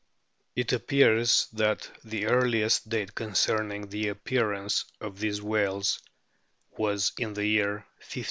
It appears that the earliest date concerning the appearance of these whales was in the year 1584.